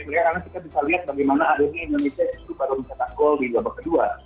karena kita bisa lihat bagaimana adanya indonesia itu pada ujung catatan gol di babak kedua